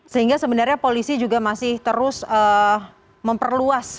sehingga sebenarnya polisi juga masih terus memperluas